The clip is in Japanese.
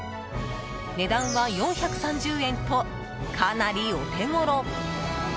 値段は４３０円とかなりお手ごろ。